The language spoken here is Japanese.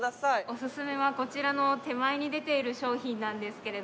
オススメはこちらの手前に出ている商品なんですけれども。